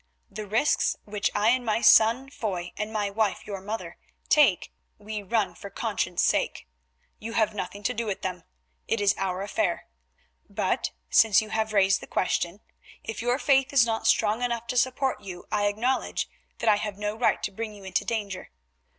The risks which I and my son, Foy, and my wife, your mother, take, we run for conscience sake. You have nothing to do with them, it is our affair. But since you have raised the question, if your faith is not strong enough to support you I acknowledge that I have no right to bring you into danger.